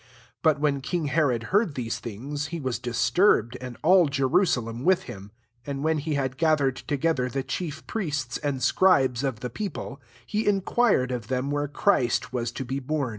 3 But when king Herod heard these things, he was disturbed, arid all Jerusalem with him, 4 j^nd when he had gather • ed together the chief priests and scribes of the people, he inquired qf them where Christ was to be bom.